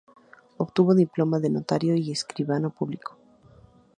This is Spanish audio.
Obtuvo diploma de notario y escribano público.